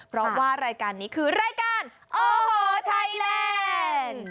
เพราะว่ารายการนี้คือรายการโอ้โหไทยแลนด์